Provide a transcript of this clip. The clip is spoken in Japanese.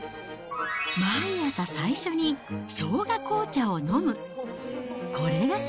毎朝最初にしょうが紅茶を飲む。